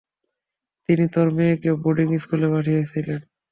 তিনি তার মেয়েকে বোর্ডিং স্কুলে পাঠিয়েছিলেন।